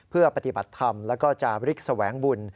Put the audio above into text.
เพื่อปฏิบัติธรรมแล้วก็จาริกแสวงบุญ